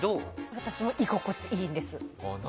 私も居心地いいんです。